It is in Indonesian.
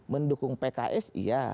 mendukung pks iya